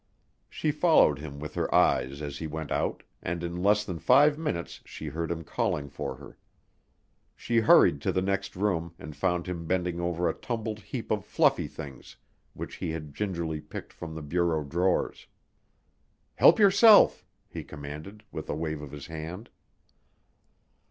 She followed him with her eyes as he went out, and in less than five minutes she heard him calling for her. She hurried to the next room and found him bending over a tumbled heap of fluffy things which he had gingerly picked from the bureau drawers. "Help yourself," he commanded, with a wave of his hand.